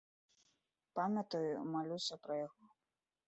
Памятаю і малюся пра яго.